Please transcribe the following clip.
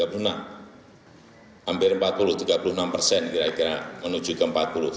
tiga puluh enam persen hampir empat puluh persen tiga puluh enam persen kira kira menuju ke empat puluh persen